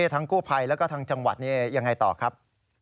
ทั้งกู้ภัยและจังหวัดนี้ยังไงต่อครับ